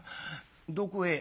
どこへ？」。